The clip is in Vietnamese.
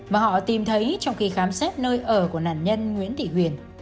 mà họ tìm thấy trong khi khám xét nơi ở của nạn nhân nguyễn thị huyền